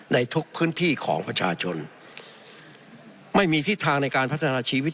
ในทุกพื้นที่ของประชาชนไม่มีทิศทางในการพัฒนาชีวิต